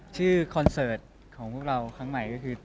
คอนเสิร์ตของพวกเราครั้งใหม่ก็คือ